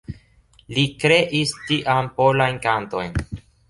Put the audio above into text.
Li kreis tiam "Polajn Kantojn".